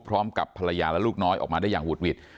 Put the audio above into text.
พร้อมกับภรรยาและลูกน้อยออกมาได้อย่างหุดหวิด